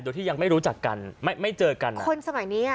โดยที่ยังไม่รู้จักกันไม่ไม่เจอกันคนสมัยนี้อ่ะ